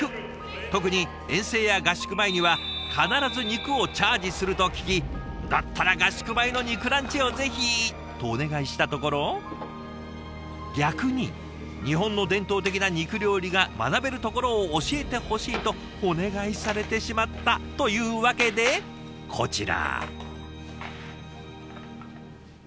特に遠征や合宿前には必ず肉をチャージすると聞きだったら合宿前の肉ランチをぜひ！とお願いしたところ逆に「日本の伝統的な肉料理が学べるところを教えてほしい」とお願いされてしまったというわけでこちら。